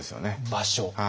場所？